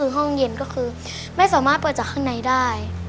ห้องเย็นไม่สามารถเปิดจากข้างในได้